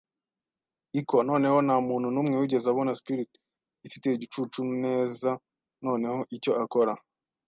echo. Noneho, ntamuntu numwe wigeze abona sperrit ifite igicucu; neza noneho, icyo akora